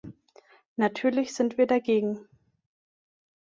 Natürlich sind wir dagegen.